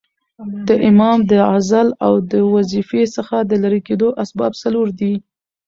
د امام د عزل او د وظیفې څخه د ليري کېدو اسباب څلور دي.